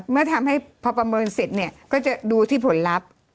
เมื่อทำให้พอประเมินเสร็จเนี่ยก็จะดูที่ผลลัพธ์